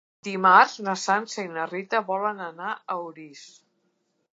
Dimarts na Sança i na Rita volen anar a Orís.